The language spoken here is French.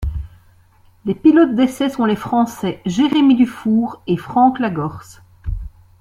Les pilotes d'essais sont les Français Jérémie Dufour et Franck Lagorce.